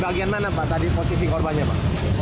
bagian mana pak tadi posisi korbannya pak